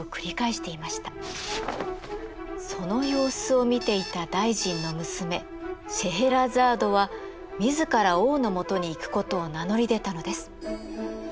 その様子を見ていた大臣の娘シェエラザードは自ら王のもとに行くことを名乗り出たのです。